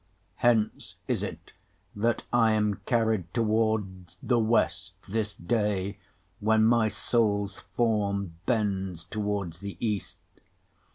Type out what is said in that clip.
Hence is't, that I am carryed towards the West This day, when my Soules forme bends toward the East.